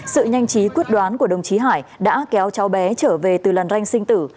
sự nhanh chí quyết đoán của đồng chí hải đã kéo cháu bé trở về từ làn ranh sinh tử